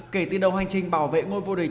kể từ đầu hành trình bảo vệ ngôi vô địch